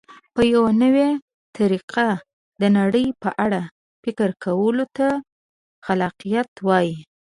په نوې طریقه د نړۍ په اړه فکر کولو ته خلاقیت وایي.